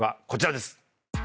こちらです。